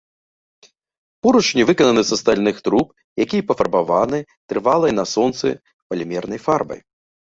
Поручні выкананы са стальных труб, якія пафарбаваны, трывалай на сонцы, палімернай фарбай.